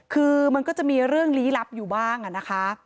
คือมันก็จะมีเรื่องลี้ลับอยู่บ้างนะคะ